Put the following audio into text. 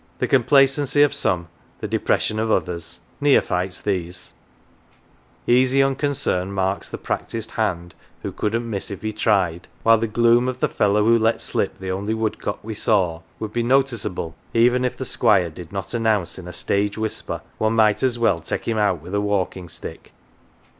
The complacency of some, the depression of others neo phytes these ; easy unconcern marks the practised hand who " couldn^ miss if he tried ;" while the gloom of "the fellow who let slip the only woodcock we saw, 11 would be noticeable even if the Squire did not announce in a stage whisper that one might as well take him out with a walking stick.